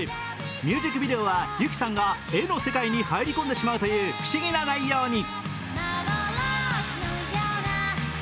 ミュージックビデオはＹＵＫＩさんが絵の世界に入り込んでしまうという不思議な内容に。